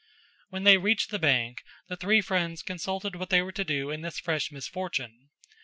When they reached the bank the three friends consulted what they were to do in this fresh misfortune.